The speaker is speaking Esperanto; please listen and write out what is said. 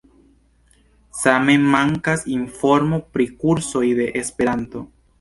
Same mankas informo pri kursoj de esperanto.